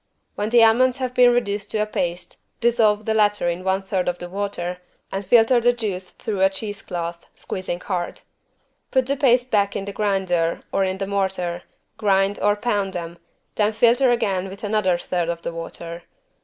When the almonds have been reduced to a paste, dissolve the latter in one third of the water and filter the juice through a cheese cloth, squeezing hard. Put the paste, back in the grinder or in the mortar, grind or pound again, then filter again with another third of the water.